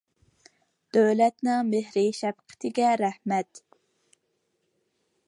دۆلەتنىڭ مېھرى شەپقىتىگە رەھمەت.